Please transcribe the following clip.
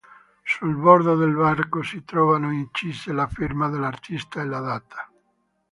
Sul bordo del banco si trovano incise la firma dell'artista e la data.